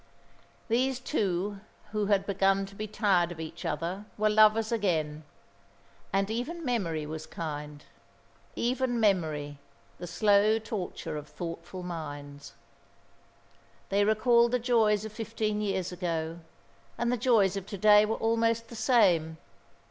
These two who had begun to be tired of each other were lovers again and even memory was kind even memory, the slow torture of thoughtful minds. They recalled the joys of fifteen years ago; and the joys of to day were almost the same.